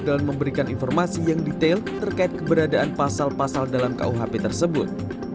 dalam memberikan informasi yang detail terkait keberadaan pasal pasal dalam kuhp tersebut